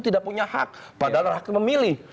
tidak punya hak padahal rakyat memilih